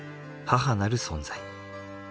母なる存在。